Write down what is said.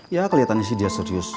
ya kelihatannya sih dia serius